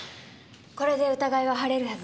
これで疑いは晴れるはずです。